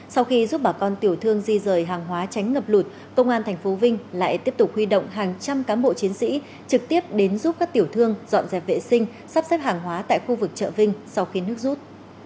sau khi giúp bà con tiểu thương di rời hàng hóa tránh ngập lụt công an tp vinh lại tiếp tục huy động hàng trăm cán bộ chiến sĩ trực tiếp đến giúp các tiểu thương dọn dẹp vệ sinh sắp xếp hàng hóa tại khu vực chợ vinh sau khi nước rút